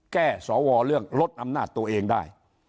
สวเรื่องลดอำนาจตัวเองได้